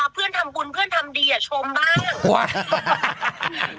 เพื่อนทำบุญเพื่อนทำดีชมบ้าง